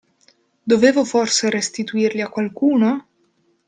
Dovevo forse restituirli a qualcuno?